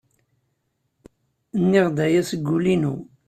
Nniɣ-d aya seg wul-inu.